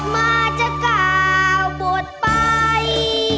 มาจะกล่าวบทไป